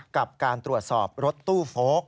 กับการตรวจสอบรถตู้โฟลก